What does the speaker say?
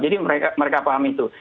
jadi mereka paham itu